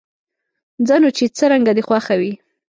ځه نو، چې څرنګه دې خوښه وي.